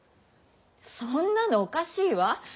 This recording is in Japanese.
そんなのおかしいわ。